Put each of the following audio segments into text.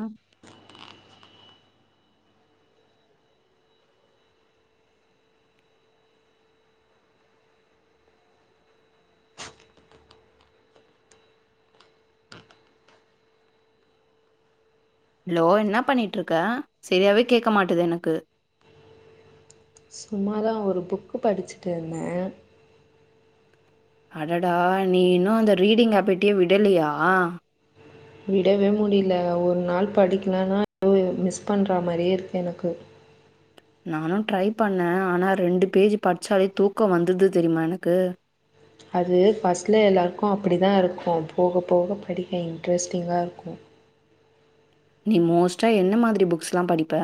ம் ஹலோ என்ன பண்ணிட்டு இருக்க சரியாவே கேக்க மாட்டுது எனக்கு சும்மாரா ஒரு ஃபுக் படிச்சுட் இருந்த அடடா நீ இன்னு அந்த ரீடிங் ஹாபிட்யே விடலியா விடவே முடியல ஒரு நாள் படிக்கலன்னா ஒ மிஸ் பண்றா மாரியே இருக்கு எனக்கு நானு ட்ரை பண்ண ஆனா ரெண்டு பேஜ் படிச்சாலே தூக்கோ வந்துது தெர்மா எனக்கு அது ஃபஸ்ட்ல எல்லார்க்கு அப்டி தா இருக்கு போகப்போக படிக்க இன்ட்ரெஸ்டிங்கா இருக்கு நீ மோஸ்டா என்ன மாத்ரி ஃபுக்ஸ்லா படிப்ப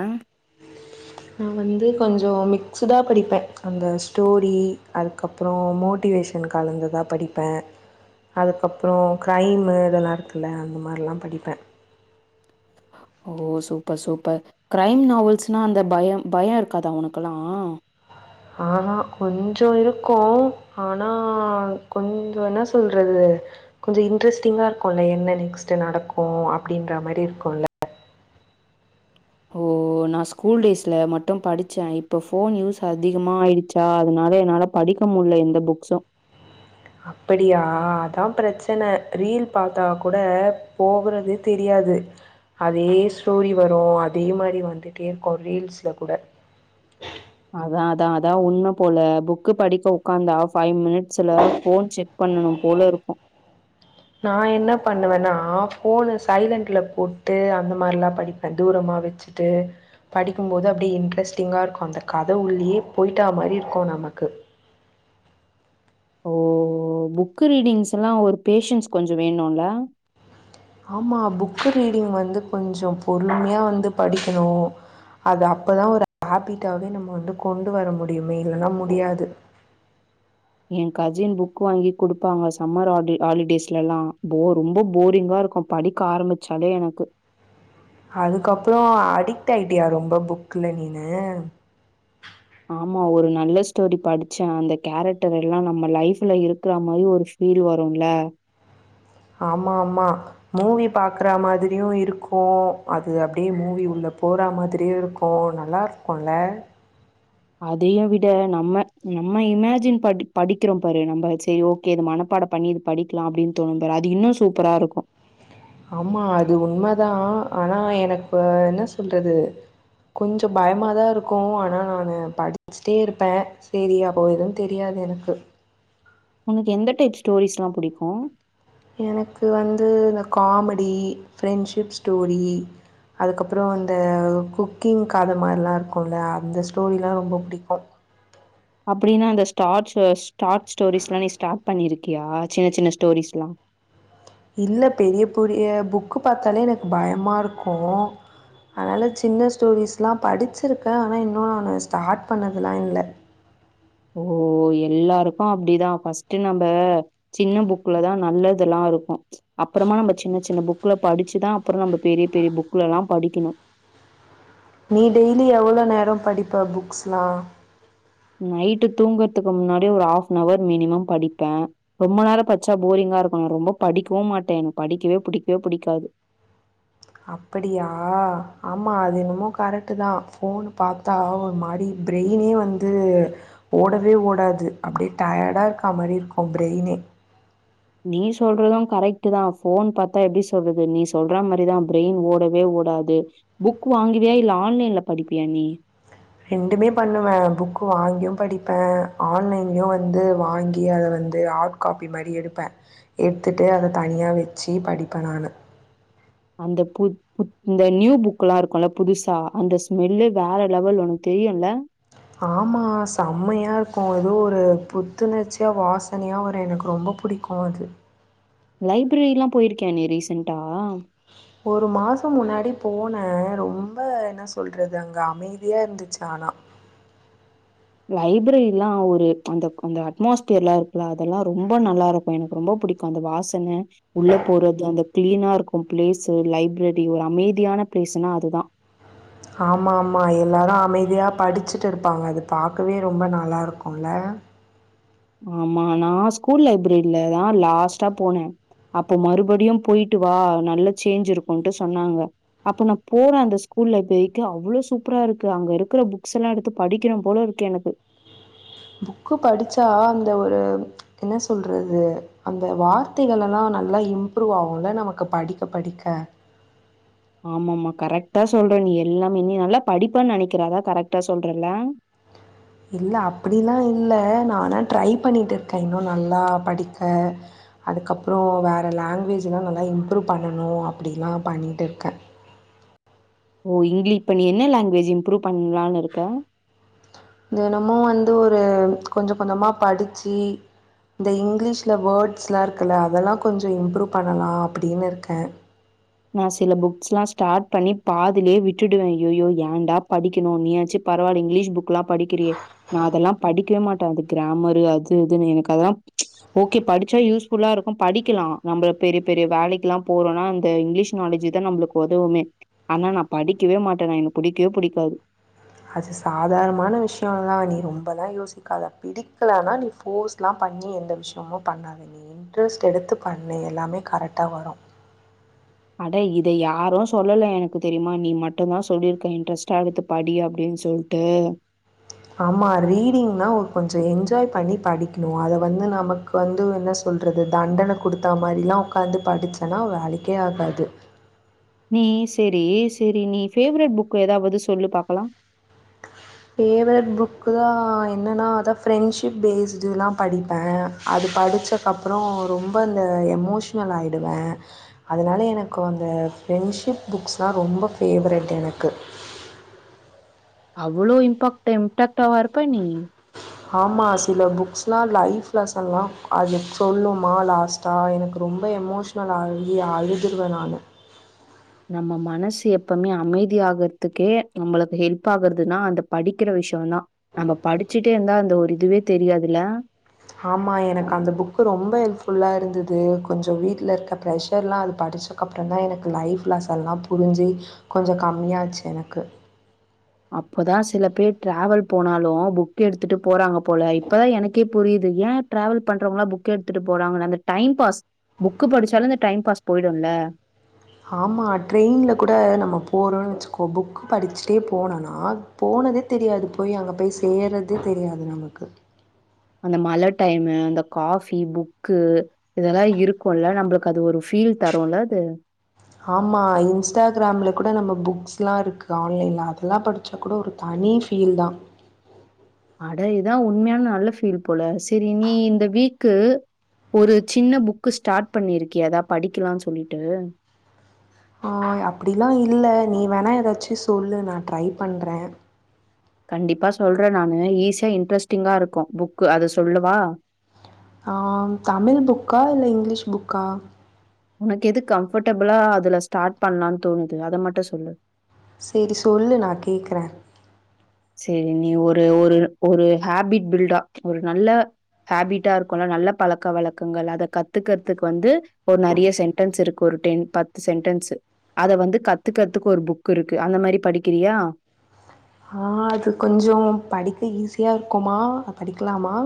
நா வந்து கொஞ்சோ மிக்ஸ்டா படிப்பே அந்த ஸ்டோரி அதுக்கப்புறோ மோட்டிவேஷன் கலந்துதா படிப்பே அதுக்கப்புறோ க்ரைமு இதெல்லாம் இருக்குல்ல அந்த மாரிலா படிப்பே ஓ சூப்பர் சூப்பர் கிரைம் நாவல்ஸ்னா அந்த பயம் பயம் இருக்காதா உனக்கெல்லா ஆஹா கொஞ்ச இருக்கும் ஆனா கொஞ்ச என்ன சொல்றது கொஞ்சம் இன்ட்ரெஸ்டிங்கா இருக்கும்ல என்ன நெக்ஸ்ட் நடக்கும் அப்டின்ற மாரி இருக்கும்ல்ல ஓ நான் ஸ்கூல் டேஸ்ல மட்டும் படிச்சேன் இப்ப ஃபோன் யூஸ் அதிகமா ஆயிடுச்சா அதனால என்னால படிக்க முடியல எந்த புக்ஸும் அப்படியா அதான் பிரச்சனை ரீல் பார்த்தா கூட போகிறது தெரியாது அதே ஸ்டோரி வரும் அதே மாரி வந்துட்டே இருக்கோ ரீல்ஸ்ல கூட அதான் அதான் அதான் உண்மை போல புக்கு படிக்க உக்காந்தா ஃபைவ் மினிட்ஸ்ல ஃபோன் செக் பண்ணணும் போல இருக்கும் நான் என்ன பண்ணுவேன்னா ஃபோனு சைலன்ட்ல போட்டு அந்த மாரிலா படிப்பேன் தூரமா வச்சுட்டு படிக்கும்போது அப்டியே இன்ட்ரெஸ்டிங்கா இருக்கும் அந்த கத உள்ளயே போயிட்டா மாரி இருக்கும் நமக்கு ஓ புக் ரீடிங்ஸ்லாம் ஒரு பேஷன்ஸ் கொஞ்சம் வேணும்ல ஆமா புக் ரீடிங் வந்து கொஞ்ச பொறுமையா வந்து படிக்கணும் அது அப்பதான் ஒரு ஹேபிட்டாவே நம்ம வந்து கொண்டு வர முடியுமே இல்லன்னா முடியாது என் கசின் புக் வாங்கி குடுப்பாங்க சம்மர் ஹாலி ஹாலிடேஸ்லலாம் போர் ரொம்ப போரிங்கா இருக்கும் படிக்க ஆரம்பிச்சாலே எனக்கு அதுக்கப்புறம் அடிக்ட் ஆயிட்டியா ரொம்ப புக்ல நீனு ஆமா ஒரு நல்ல ஸ்டோரி படிச்சேன் அந்த கேரக்டர் எல்லாம் நம்ம லைஃப்ல இருக்குற மாரி ஒரு ஃபீல் வரும்ல ஆமா ஆமா மூவி பாக்குற மாதிரியும் இருக்கும் அது அப்டியே மூவி உள்ள போற மாதிரியும் இருக்கும் நல்லா இருக்கும்ல அதையும் விட நம்ம நம்ம இமேஜின் படி படிக்கிறோம் பாரு நம்ம சேரி ஓகே இது மனப்பாட பண்ணி இது படிக்கலாம் அப்டின்னு தோணும் பாரு அது இன்னும் சூப்பரா இருக்கு ஆமா அது உண்மதான் ஆனா எனக்கு என்ன சொல்றது கொஞ்ச பயமாதான் இருக்கு ஆனா நான் படிச்சிட்டே இருப்பேன் சேரி அப்போ எதுவும் தெரியாது எனக்கு உனக்கு எந்த டைப் ஸ்டோரிஸ்லாம் புடிக்கும் எனக்கு வந்து இந்த காமெடி ஃப்ரெண்ட்ஷிப் ஸ்டோரி அதுக்கப்புறோ அந்த குக்கிங் கத மாரிலாம் இருக்குல அந்த ஸ்டோரிலாம் ரொம்ப புடிக்கு அப்டின்னா அந்த ஸ்டாச் ஸ்டார்ட்ச் ஸ்டோரிஸ் எல்லாம் நீ ஸ்டார்ட் பண்ணிருக்கியா சின்ன சின்ன ஸ்டோரிஸ்லாம் இல்ல பெரிய பெரிய புக்கு பாத்தாலே எனக்கு பயமா இருக்கு அதனால சின்ன ஸ்டோரிஸ்லாம் படிச்சிருக்கேன் ஆனா இன்னும் நான் ஸ்டார்ட் பண்ணதுல்லா இல்ல ஓ எல்லாருக்கு அப்டிதான் ஃபஸ்ட்டு நம்ப சின்ன புக்லதான் நல்லதெல்லா இருக்கும் அப்புறமா நம்ம சின்ன சின்ன புக்ல படிச்சுதான் அப்புறம் நம்ம பெரிய பெரிய புக்லலாம் படிக்கணும் நீ டெய்லி எவ்ளோ நேரம் படிப்ப புக்ஸ்லாம் நைட்டு தூங்குறதுக்கு முன்னாடி ஒரு ஹாஃப்னவர் மினிமம் படிப்பேன் ரொம்ப நேர பச்சா போரிங்கா இருக்கு நான் ரொம்ப படிக்கவும் மாட்டேன் எனக்கு படிக்கவே புடிக்கவே புடிக்காது அப்படியா ஆமா அது என்னமோ கரெக்ட்டு தான் ஃபோன் பாத்தா ஒரு மாரி பிரெய்னே வந்து ஓடவே ஓடாது அப்டியே டயர்டா இருக்கா மாரி இருக்கும் பிரெய்னே நீ சொல்றதும் கரெக்ட்டு தான் ஃபோன் பாத்தா எப்டி சொல்றது நீ சொல்ற மாரிதான் பிரெயின் ஓடவே ஓடாது புக் வாங்குவியா இல்ல ஆன்லைன்ல படிப்பியா நீ ரெண்டுமே பண்ணுவேன் புக்கு வாங்கியும் படிப்பேன் ஆன்லைன்லயும் வந்து வாங்கி அத வந்து ஹாட் காப்பி மாரி எடுப்பேன் எட்த்துட்டு அதை தனியா வச்சு படிப்பேன் நானு அந்த பு பு இந்த நியூ புக்லாம் இருக்கும்ல்ல புதுசா அந்த ஸ்மெல்லே வேற லெவல் ஒண்ணு தெரியும்ல ஆமா செம்மையா இருக்கும் எதோரு புத்துணர்ச்சியா வாசனையா வரும் எனக்கு ரொம்ப புடிக்கும் அது லைப்ரெரி எல்லாம் போயிருக்கய நீ ரீசென்டா ஒரு மாசம் முன்னாடி போன ரொம்ப என்ன சொல்றது அங்க அமைதியா இருந்துச்சு ஆனா லைப்ரெரிலாம் ஒரு அந்த அந்த அட்மாஸ்பியர்லாம் இருக்குல்ல அதெல்லாம் ரொம்ப நல்லா இருக்கும் எனக்கு ரொம்ப பிடிக்கும் அந்த வாசன உள்ள போறது அந்த கிளீனா இருக்கு பிளேஸ்சு லைப்ரெரி ஒரு அமைதியான பிளேஸ்ன்னா அதுதான் ஆமா ஆமா எல்லாரும் அமைதியா படிச்சுட்டு இருப்பாங்க அது பாக்கவே ரொம்ப நல்லா இருக்குல ஆமா நான் ஸ்கூல் லைப்ரெரில தான் லாஸ்ட்டா போனேன் அப்ப மறுபடியும் போயிட்டு வா நல்ல சேஞ்ச் இருக்கும்ட்டு சொன்னாங்க அப்ப நான் போறேன் அந்த ஸ்கூல் லைப்ரெரிக்கு அவ்ளோ சூப்பரா இருக்கு அங்க இருக்கிற புக்ஸ்லாம் எடுத்து படிக்கனும் போல இருக்கு எனக்கு புக்கு படிச்சா அந்த ஒரு என்ன சொல்றது அந்த வார்த்தைகளெல்லாம் நல்லா இம்ப்ரூவ் ஆவும்ல நமக்கு படிக்க படிக்க ஆம ஆமா கரெக்டா சொல்ற நீ எல்லாமே நல்லா படிப்பன்னு நினைக்கிற அதா கரெக்டா சொல்றல இல்ல அப்டிலாம் இல்ல நானா ட்ரை பண்ணிட்டு இருக்கேன் இன்னும் நல்லா படிக்க அதுக்கப்புறோ வேற லாங்குவேஜ்லாம் நல்லா இம்ப்ரூவ் பண்ணணும் அப்டிலாம் பண்ணிட்டு இருக்கேன் ஓ இங்கீலீஸ் இப்ப நீ என்ன லாங்குவேஜ் இம்ப்ரூவ் பண்ணலாம்னு இருக்க தினமும் வந்து ஒரு கொஞ்ச கொஞ்சமா படிச்சு இந்த இங்கிலீஷ்ல வேர்ட்ஸ்லாம் இருக்குல்ல அதெல்லாம் கொஞ்சம் இம்ப்ரூவ் பண்ணலாம் அப்படின்னு இருக்கே நான் சில புக்ஸ்லாம் ஸ்டார்ட் பண்ணி பாதிலயே விட்டுடுவேன் அயயோ ஏன்டா படிக்கணும் நீயாச்சும் பரவால்ல இங்கிலீஷ் புக் எல்லாம் படிக்கிறியே நான் அதெல்லாம் படிக்கவே மாட்டேன் அது கிராமரு அது இதுன்னு எனக்கு அதெல்லாம் ஓகே படிச்சா யூஸ்ஃபுல்லா இருக்கும் படிக்கலாம் நம்ப பெரிய பெரிய வேலைக்குல்லாம் போறோன இங்கிலீஷ் நாலேஜ் தான் நம்மளுக்கு உதவுமே ஆனா நான் படிக்கவே மாட்டேனே எனக்கு புடிக்கவே புடிக்காது அது சாதாரணமான விஷயம் தான் நீ ரொம்பல்லாம் யோசிக்காத பிடிக்கலனா நீ ஃபோர்ஸ்லாம் பண்ணி எந்த விஷயமும் பண்ணாத நீ இன்ட்ரெஸ்ட் எடுத்து பண்ண எல்லாமே கரெக்டா வரும் அட இத யாரும் சொல்லல எனக்கு தெரியுமா நீ மட்டும் தான் சொல்லியிருக்க இன்ட்ரெஸ்ட்டா எடுத்து படி அப்டின் சொல்ட்டு ஆமா ரீடிங்னா கொஞ்சம் என்ஜாய் பண்ணி படிக்கணும் அத வந்து நமக்கு வந்து என்ன சொல்றது தண்டன கொடுத்தா மாரி எல்லாம் உக்காந்து படிச்சேன்னா வேலைக்கே ஆகாது நீ சேரி சேரி நீ ஃபேவேரெட் புக் ஏதாவது சொல்லு பாக்கலா ஃபேவேரெட் புக்கு தான் என்னன்னா அதான் ஃப்ரெண்ட்ஷிப் பேஸ்ட்ல்லாம் படிப்பேன் அது படிச்சக்கப்புறோ ரொம்ப அந்த எமோஷ்னல் ஆயிடுவே அதனால எனக்கும் அந்த ஃப்ரெண்ட்ஷிப் புக்ஸ்ல்லாம் ரொம்ப ஃபேவேரெட் எனக்கு அவ்ளோ இம்பாக்ட் இம்பாக்டவா இருப்ப நீ ஆமா சில புக்ஸ்ல்லாம் லைஃப் லெசன்லாம் அது சொல்லுமா லாஸ்ட்டா எனக்கு ரொம்ப எமோஷ்னல் ஆகி அழுதுருவேன் நானு நம்ம மனசு எப்பவுமே அமைதியா ஆகறதுக்கே நம்மளுக்கு ஹெல்ப் ஆகுறதுன்னா அந்த படிக்கிற விஷயம்தான் நம்ம படிச்சுட்டே இருந்தா அந்த ஒரு இதுவே தெரியாதுல்லே ஆமா எனக்கு அந்த புக்கு ரொம்ப ஹெல்ப்ஃபுல்லா இருந்தது கொஞ்சம் வீட்டுல இருக்க ப்ரெஷர் எல்லா அது படிச்சதுக்கு அப்புறம் தான் எனக்கு லைஃப்லே எல்லாம் புரிஞ்சு கொஞ்சம் கம்மியாச்சு எனக்கு அப்பதான் சில பேர் டிராவல் போனாலும் புக் எடுத்துட்டு போறாங்க போல இப்பதான் எனக்கே புரியுது ஏன் டிராவல் பண்றவங்கெல்லாம் புக்க எடுத்துட்டு போறாங்கன்னு அந்த டைம் பாஸ் புக்கு படிச்சாலும் இந்த டைம் பாஸ் போயிடும்ல ஆமா ட்ரெயின்ல கூட நம்ம போறோம்ன்னு வச்சுக்கோ புக்கு படிச்சுட்டே போனோம்னா போனதே தெரியாது போய் அங்க போய் சேர்றதே தெரியாது நமக்கு அந்த மழ டைமு அந்த காபி புக்கு இதெல்லாம் இருக்குமல்ல நம்மளுக்கு அது ஒரு ஃபீல் தரும்ல அது ஆமா இன்ஸ்டாகிராம்ல கூட நம்ம புக்ஸ் எல்லா இருக்கு ஆன்லைன்ல அதெல்லாம் படிச்சா கூட ஒரு தனி ஃபீலிங் தான் அட இதான் உண்மையான நல்ல ஃபீல் போல சேரி நீ இந்த வீக்கு ஒரு சின்ன புக்கு ஸ்டார்ட் பண்ணிருக்கியா ஏதா படிக்கலாம்னு சொல்லிட்டு ஆஹ் அப்படியெலாம் இல்லே நீ வேணா ஏதாச்சு சொல்லு நான் ட்ரை பண்றேன் கண்டிப்பா சொல்றேன் நானு ஈஸியா இன்ட்ரெஸ்ட்டிங்கா இருக்கும் புக்கு அத சொல்லவா ஆஹ் தமிழ் புக்கா இல்ல இங்கிலீஷ் புக்கா உனக்கு எது கம்ஃபர்டபிளா அதுல ஸ்டார்ட் பண்ணலாம்னு தோணுது அதை மட்டும் சொல்லு சேரி சொல்லு நான் கேக்குறேன் சேரி நீ ஒரு ஒரு ஒரு ஹேபிட் பில்டா ஒரு நல்ல ஹேபிட்டா இருக்கும்ல்ல நல்ல பழக்க வழக்கங்கள் அத கத்துக்கறதுக்கு வந்து ஒரு நிறைய சென்டன்ஸ் இருக்கு ஒரு டென் பத்து சென்டன்ஸ்சு அத வந்து கத்துக்கறதுக்கு ஒரு புக் இருக்கு அந்த மாதிரி படிக்கிறியா ஆஹ் அது கொஞ்சோ படிக்க ஈஸியா இருக்குமா படிக்குலாமா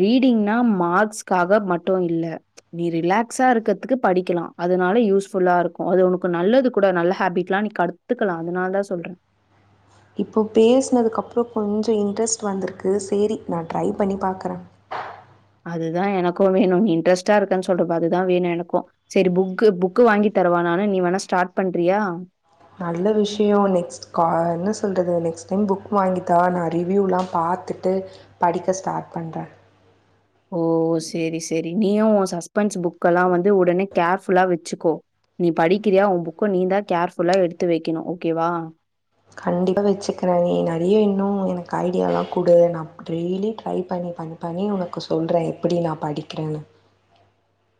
ரீடிங்னா மார்க்ஸ்க்காக மட்டும் இல்லே நீ ரிலாக்ஸா இருக்கிறதுக்கு படிக்கலாம் அதனால யூஸ்ஃபுல்லா இருக்கும் அது உனக்கு நல்லது கூட நல்ல ஹேபிட் எல்லாம் நீ கத்துக்கலாம் அதனால தான் சொல்றன் இப்போ பேசனதுக்கு அப்புறோம் கொஞ்சம் இன்ட்ரெஸ்ட் வந்திருக்கு சேரி நான் ட்ரை பண்ணி பாக்குறேன் அதுதான் எனக்கும் வேணும் நீ இன்ட்ரெஸ்டா இருக்கேன்னு சொல்ற பாரு அதுதான் வேணும் எனக்கும் சேரி புக் புக்கு வாங்கி தரவா நானு நீ வேணா ஸ்டார்ட் பண்றியா நல்ல விஷயம் நெக்ஸ்ட் கா என்ன சொல்றது நெக்ஸ்ட் டைம் புக் வாங்கிதா நான் ரிவ்யூயெலா பார்த்துட்டு படிக்க ஸ்டார்ட் பண்றேன் ஓ சேரி சேரி நீயும் உன் சஸ்பென்ஸ் புக் எல்லாம் வந்து உடனே கேர்ஃபுல்லா வச்சுக்கோ நீ படிக்கிறியா உன் புக்க நீ தான் கேர்ஃபுல்லா எடுத்து வைக்கணும் ஓகேவா கண்டிப்பா வச்சுக்கிறேன் நிறைய இன்னும் எனக்கு ஐடியா எல்லாம் குடு நான் டெய்லி ட்ரை பண்ணி பண்ணி பண்ணி உனக்கு சொல்றேன் எப்படி நான் படிக்கிறேன்னு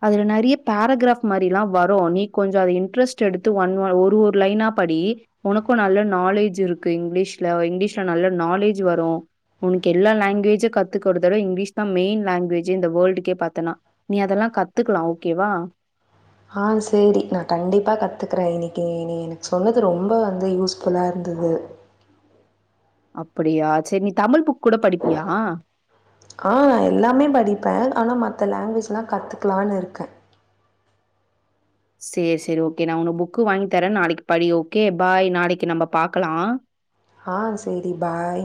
அதுல நிறைய பேராகிராப் மாரியெலா வரும் நீ கொஞ்சோம் அத இன்ட்ரெஸ்ட் எடுத்து ஒன் ஒரு லைனா படி உனக்கு நல்ல நாலேஜ் இருக்கு இங்கிலீஷ்ல இங்கிலீஷ்ல நல்ல நாலேஜ் வரும் உனக்கு எல்லா லாங்குவேஜ் கத்துக்கறத விட இங்கிலீஷ் தான் மெயின் லாங்குவேஜ் இந்த வேர்ல்டுக்கே பார்த்தேனா நீ அதெல்லாம் கத் கத்துக்கலாம் ஓகேவா ஆஹ் சேரிக்கா நான் கண்டிப்பா கத்துக்குறேன் இன்னைக்கு நீஎனக்கு சொன்னது ரொம்ப வந்து யூஸ்புல்லா இருந்தது அப்படியா சேரி நீ தமிழ் புக் கூட படிப்பியா? ஆஹ் எல்லாமே படிப்பேன் ஆனா மத் த லாங்குவேஜ்லா கத்துக்கலான்னு இருக்கேன் சேரி சேரி ஓகே நான் உனக்கு புக்கு வாங்கி தரேன் நாளைக்கு படி ஓகே பை நாளைக்கு நம்ம பாக்கலாம் ஆஹ் சேரி பை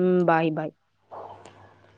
உம் பை பை [inaudible]